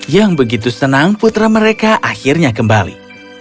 yang begitu senang putra mereka akhirnya kembali